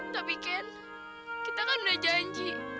tapi kan kita kan udah janji